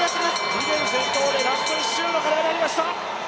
ギデイ先頭でラスト１周の鐘が鳴りました。